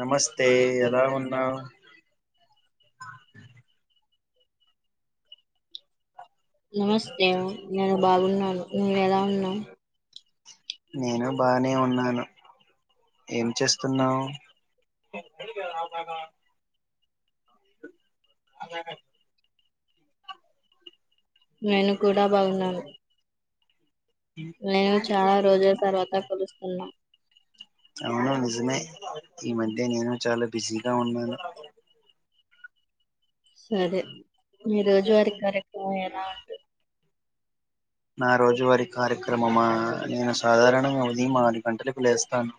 నమస్తే ఎలా ఉన్నావు నమస్తే నేను బాగున్నాను నువ్వు ఎలా ఉన్నావు నేను బానే ఉన్నాను ఏం చేస్తున్నావు అదే నేను కూడా బాగున్నాను నేను చాలా రోజుల తర్వాత కలుస్త ఉన్నా ఈ మధ్య నేను చాలా బిజీగా ఉన్నాను సరే మీ రోజు వారి కార్యక్రమం ఎలా నా నా రోజువారి కార్యక్రమమా నేను సాధారణంగా ఉదయం ఆరు గంటలకు లేస్తాను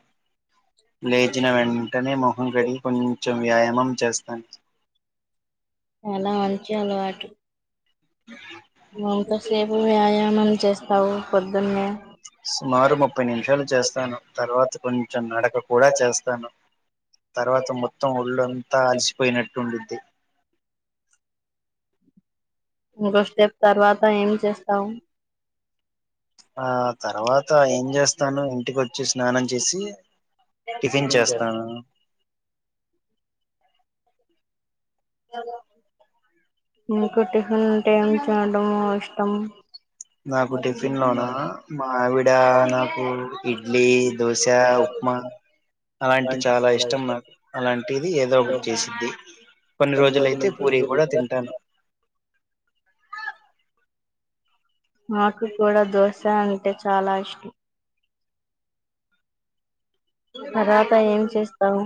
లేచిన వెంటనే మొహం కడిగి కొంచెం వ్యాయామం చేస్తాను చాలా మంచి అలవాటు ఎంతసేపు వ్యాయామం చేస్తావు పొద్దున్నే సుమారు ముప్పై నిమిషాలు చేస్తాను తర్వాత కొంచెం నడక కూడా చేస్తాను తర్వాత మొత్తం ఒళ్ళంతా అలసిపోయినట్టు ఉండిద్ది స్టేప్ తర్వా ఏం చేస్తావు ఆ తర్వాత ఏం చేస్తాను ఇంటికొచ్చి స్నానం చేసి టిఫిన్ చేస్తాను ఇంకో టిఫిన్ ఉంటే చెయ్యడమో [inaudible] నాకు టిఫిన్ లోనా మావిడ నాకు ఇడ్లీ దోశ ఉప్మా అలాంటి చాలా ఇష్టం నాకు అలాంటిది ఏదో ఒకటి చేసిద్ది కొన్ని రోజులుయితే పూరీ కూడా తింటాను మాకు కూడా దోస అంత్ అంటే చాలా ఇష్టం తర్వాత ఏం చేస్తావు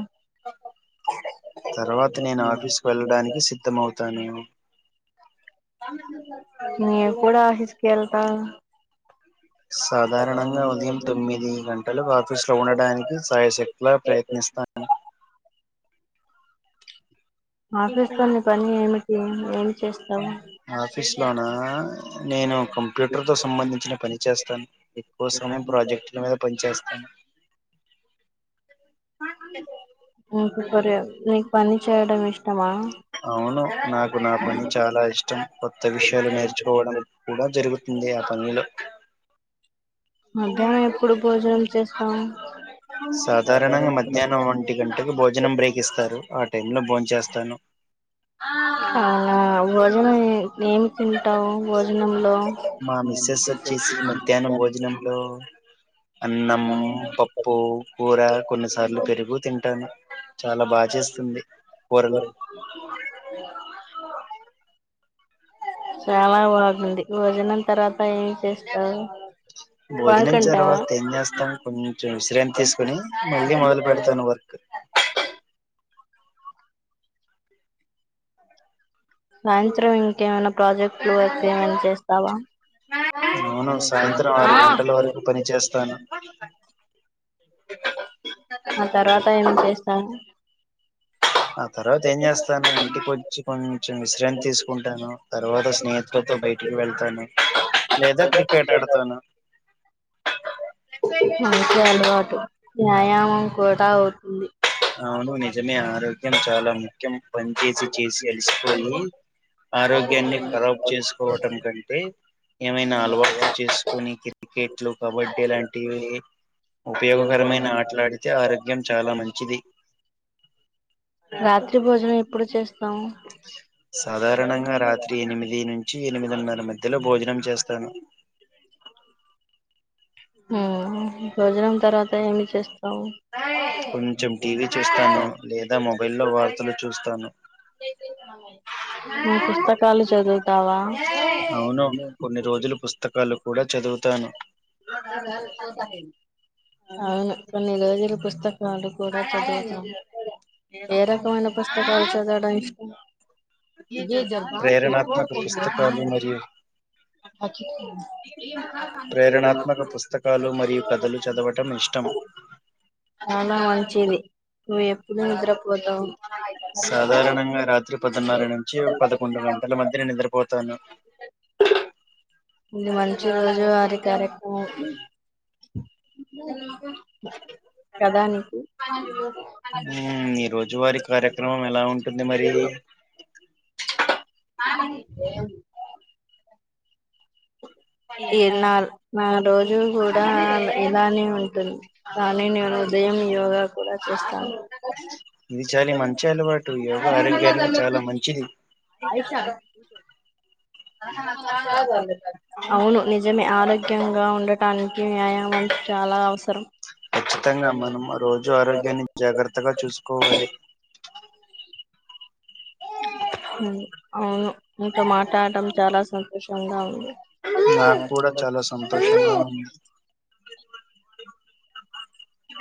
నేను కూడా ఆఫీసు కెల్ త సాధారణంగా ఉదయం తొమ్మిది గంటలు ఆఫీసులో ఉండడానికి సాయశక్లా ప్రయత్నిస్తాను ఆఫీసు లో మీ పని ఏమిటి ఏమి చేస్తావు ఆ నేను కంప్యూటర్ తో సంబంధించిన పని చేస్తాను ఎక్కువ సమయం ప్రాజెక్టుల మీద పని చేస్తాను ఇకప్ప న పని చేయడం ఇష్టమా అవును నాకు నా పని చాలా ఇష్టం కొత్త విషయాలు నేర్చుకోవడం కూడా జరుగుతుంది ఆ పనిలో మధ్యాహ్నం ఎప్పుడు భోజనం చేస్తాము సాధారణంగా మధ్యాహ్నం ఒంటి గంటకు భోజనం బ్రేక్ ఇస్తారు ఆ టైం నేను బోన్ చేేస్తాను అలా భోజనం ఏమి తింటావు భోజనంలో అన్నం పప్ కో కోర కొన్నిసారి లు పెరుగు తింటాను చాలా బాగా చేస్తుంది కోరి ఆ చాలా బాగుంది భోజనం తర్వాత ఏం చేస్తారు భోజనం తర్వాత ఎం చేస్తాం కొంచెం విశ్రాంతి తీసుకుొని మళ్ళీ మొదలు పెడతాను వర్క్ సాయంత్రం ఇంకేమైనా ప్రాజెక్ట్ వర్క్ ఏమనా చేస్తావా ఆ తర్వాత ఏమి చేస్తారు అఓే తర్వాత ఏం చేస్తాను ఇంటికిచ్చికొంచెం విశ్రాంతి తీసుకుంటాను తర్వాత స్నేహితులతో బయటికి వెళ్తాను లేదా క్రికెట్ ఆడతాను వ్యాయామం కూడా అవుతుంది అవును్ నిజమే ఆరోగ్య ఆరోగ్యం చాలా ముఖ్యం పని చేసి చేసి అలసిపోయి ఆరోగ్యం ఖరాబ్ చేసుకోవడం కంటే ఏమైనా క్రికెట్ కబడ్డీ లాంటి ఉపయోగకరమైన ఆటలాడితే ఆరోగ్యానికి మంచిది సాధారణంగా రాత్రి ఎనిమిది నుంచి ఎనిమిదిన్నర మధ్యలో భోజనం చేస్తాను భోజనం తర్వాత ఏమి చేస్త కొంచెం టీవీ చూస్తాను లేదా మొబైల్ లో వార్తలు చూస్తాను అవును కొన్ని రోజులు పుస్తకాలు కూడా చదువుతాను పోతా అవును కొన్ని రోజుల పుస్తకాలు కూడా చదువుతాం ఏ రకమైన పుస్తకాలు చదవడం ఇష్టం గీజర్ పుస్తకాలు మరియు కథలు చదవటం ఇష్టము చాలా మంచిది నువ్వు ఎప్పుడు నిద్రపోతావు [unintelligible] పన్నర నుంచి పదకొండు గంటల మధ్య నిద్రపో తాను [inaudible] ఇది మంచి రోజు వారి క్యారెక్ట్రమకి [unintelligible] [inaudible] పదా నీకు రోజువారి కార్యక్రమం ఎలా ఉంటుంది కొంది మరి అ నా నా రోజు కూడా ఇలానే ఉంటుంది కానీ నేను ఉదయం యోగా ఇది చాలీ మంచి అలవాటు యోగ ఆరోగ్యానికి చాలా మంచిది అవును నిజమే ఆరోగ్యంగా ఉండడం టానికి వ్యాయామం చాలా అవసరం ఖచ్చితంగా మనం రోజు ఆరోగ్యాన్ని జాగ్రత్తగా చూసుకోవాలి ఉమ్ అవును నిథో మాతాడ్టమ్ చాలా స తోషంగా ఉంది నాకు కూడా చాలా సంతోషంగా ఉంది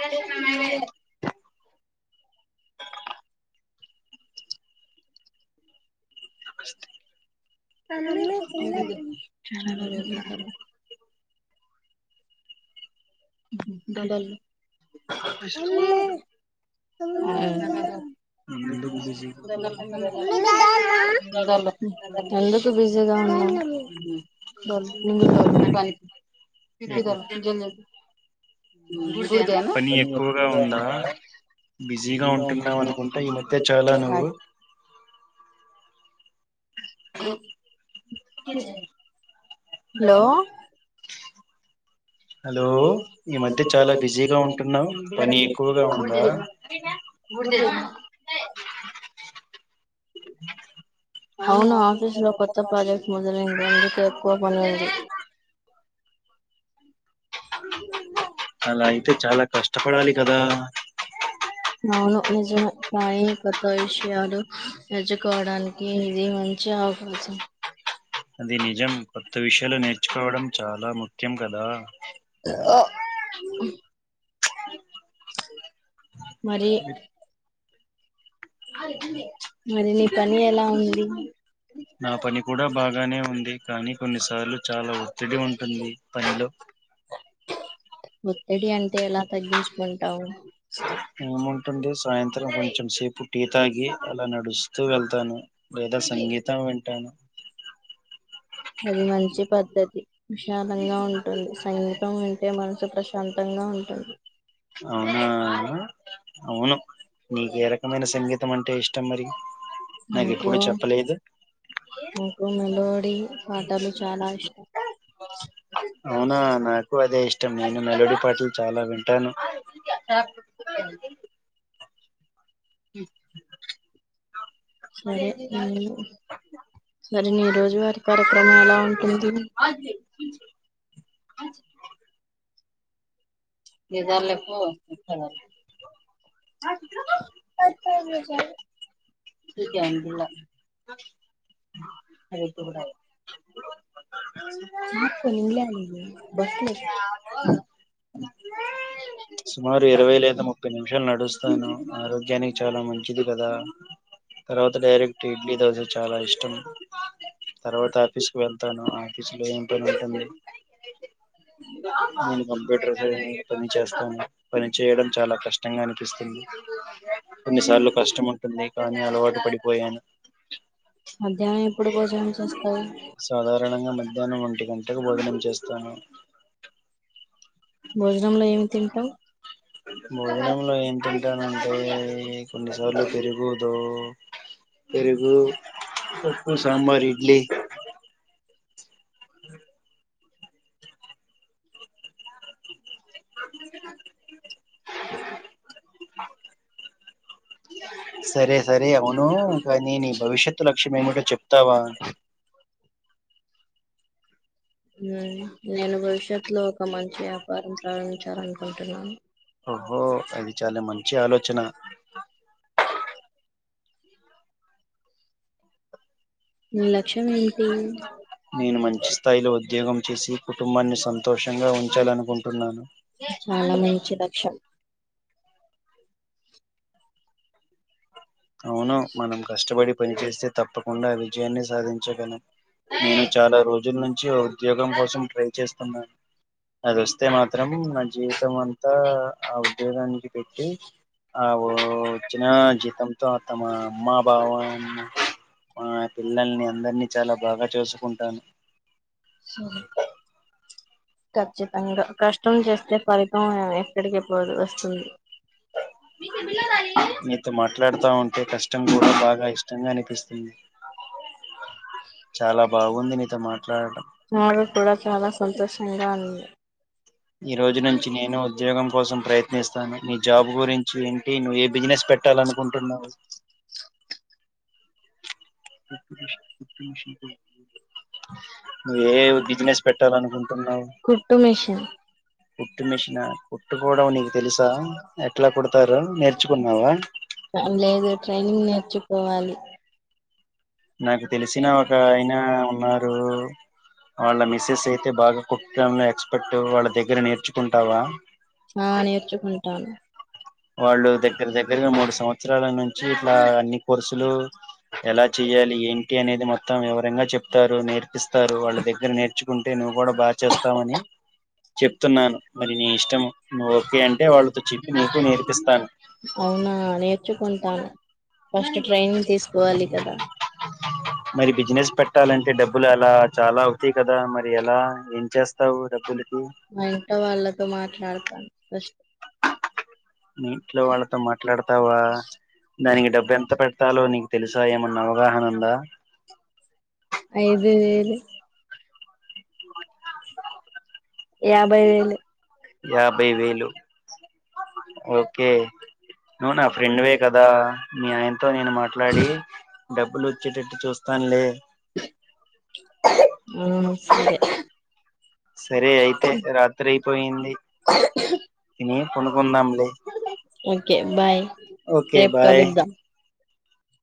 ఇదర్శన మైవ్ అమ్మ థినాలే థిను ఉమ్ డాలు ఉమ్ ఎందుకు బిజగా ఉనావ్ పని ఎక్కువగా ఉందా బిజీగా ఉంటున్నావు అనుకుంటే ఈ మధ్య చాలా నువ్వు ఆ కేజ్న్ హలో హలో ఈ మధ్య చాలా బిజీగా ఉంటునావ్ పని ఎక్కువగా ఉందా అవును ఆఫీసులో కొత్త ప్రాజెక్టు మొదలింది అందుకే ఎక్కువ పని ఉంది అవును నిజామే స్థయికత విషయాలు నేర్చుకోవడానికి ఇది మంచి అవకాశం అది నిజం కొత్త విషయాలు నేర్చుకోవడం చాలా ముఖ్య కేం కాదా ఆ అ మరి నా పని కూడా బా గానే ఉంది కానీ కొన్నిసార్లు చాలా ఒత్తిడి ఉంటుంది పనిలో ఏముంటుంది సాయంత్రం కొంచెం సేపు టీ తాగి అలా నడుస్తూ వెళ్తాను లేదా సంగీతం వింటాను అది మంచి పద్ధతి విశాలంగా ఉంటుంది సంగీతం వింటే మనసు ప్రశాంతంగా ఉంటుంది అవునా అవును నీకు ఏ రకమైన సంగీతం అంటే ఇష్టం ఇష్టం మరి నాకు నాకు మెలోడీ అవునా నాకు అదే ఇష్టం నేను మెలోడీ పాటలు చాలా వింటాను హు అదే ఎదలకు సుమారు ఇరవై లేదా ముప్పై నిమిషాలు నడుస్తాను ఆరోగ్యానికి చాలా మంచిది కదా తర్వాత డైరెక్ట్ ఇడ్లీ దోశ చాలా ఇష్టం తర్వాత ఆఫీస్ కు వెళ్తాను ఆఫీస్ లో ఏం పని ఉంటుంది అయితే నేను కంప్యూటర్ పని చేస్తాను పని చేయడం చాలా కష్టంగా అనిపిస్తుంది కొన్నిసార్లు కష్టం ఉంటుంది కానీ అలవాటు పడిపోయాను సాధారణంగా మధ్యాహ్నం ఒంటి గంటకు భోజనం చేస్తాను భోజనంలో ఏం తింటానంటే కొన్నిసార్లు పెరుగుతో పెరుగు పప్పు సాంబార్ ఇడ్లీ ఊ సరే సరే అవును కాని నీ భవిష్యత్తు లక్ష్యం ఏమిటో చెప్తావా ఊ నేను భవిష్యత్లో ఒక మంచి వ్యాపారం సాధించు అని అనుకుంటున్నాను అబ్బో అది చాలా మంచి ఆలోచన నేను మంచి స్థాయిలో ఉద్యోగం చేసి కుటుంబాన్ని సంతో సంతోషంగా ఉంచాలనుకుంటున్నాను అవును మనం కష్టపడి పని చేేస్తే తప్పక్ ఉండాయ్ విజయాన్ని సాధించగలం నేను చాలా రోజుల్ నుంచి ఉద్యోగం కోసం ట్రై చేస్తున్నాను అదొస్తే మాత్రం నా జీవితం అంతా ఆ ఉద్యోగానికి పెట్టి అవో వొచ్చిన జీతం మొత్తమా అమ్మా బావన్ అత్ పిల్లల్ని అందర్ని చాలా బాగా చూసుకుంటాను. సరే ఖచ్చితంగా కష్టం చేస్తే ఫలితం ఎక్కడికి పోదు వొస్తుంది ఉ చాలా బాగుంది నీతో మాట్లాడటం సంతోషంగా ఉంది. ఈ రోజు నుంచి నేను ఉద్యోగం కోసం ప్రయత్నిస్తాను. నీ జాబ్ గురించి ఏంటి నువ్వు ఏ బిజినెస్ పెట్టాలనుకుంటున్నావు ఇప్పుడు ఇప్పింగ్ షిబొడ్ నువు ఏ బిజినెస్ పెట్టాలనుకుంటున్నావు పెట్టని మిషన్ కుట్టుకొవటం నీకు తెలుసా ఎట్ల కూడతారొ నేర్చుకున్నావా ఆ లేదు ట్రైనింగ్ నేర్చు కోవాలి నాకు తెలిసిన ఒక అయనా ఉన్నారు వాళ్ళ మిస్సెస్ అయితే బాగా కుట్టటంలో ఎక్స్పెర్ట్ వాళ్ళ దగ్గర నేర్చుకుంటావా ఆ వాళ్ళు దగ్గర దగ్గరగా మూడు సంవత్సరాల నుంచి ఇట్లా అన్ని కోర్సులు ఎలా చెయాలి ఏంటి అనేది మొత్తం వివరంగా చెప్తారు నేర్పిస్తారు వాళ్ళదగ్గర నేర్చుక్ టే నువ్వు గూడా బాగా చేస్తావని చెప్తున్నాను మరి నీ ఇష్టము నువ్ ఓకే అంటే వాళ్ళతో చెప్పి నీకు నేర్ తెస్తాను మరి బిజినెస్ పెట్టాలంటే డబ్బులు అలా చాలా అవుతాయి కదా మరి ఎలా ఏం చేస్తావు డబ్బులు మా ఇంట్లో వాళ్ళతో మాట్లాడుత సన్ రష్ మీ ఇంట్లో వాళ్ళతో మాట్లాడతావు ఆ దానికి డబ్బు ఎంత పెట్టాలో నీకు తెలుసా ఏమన్నా అవగాహన ఉందా ఐదువేలు యాబై వేలు ఓకే నువ్వు నా ఫ్రెండ్వే కదా మీ ఆయనతో నేను మాట్లాడి డబ్బులు వచ్చేటట్టు చూస్తానులే ఆ సరే సరే అయితే రాత్రి అయిపోయింది తిని పోడుకుందాంలే ఓకే బాయ్